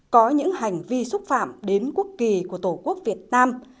có những hành vi xúc phạm đến quốc kỳ của tổ quốc việt nam